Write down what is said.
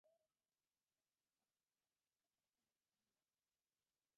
মফস্বল শহরের অবস্থা তো বুঝতেই পারছেন।